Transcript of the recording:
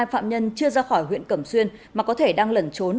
hai phạm nhân chưa ra khỏi huyện cẩm xuyên mà có thể đang lẩn trốn